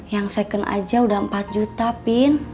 yang second aja udah empat juta pin